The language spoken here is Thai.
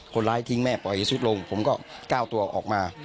คนร้ายทิ้งแม่ปล่อยซุดลงผมก็ก้าวตัวออกมา